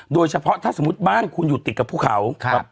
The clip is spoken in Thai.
โดยเฉพาะถ้าสมมุติบ้านคุณอยู่ติดกับภูเขา